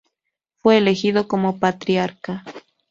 Fue elegido como Patriarca.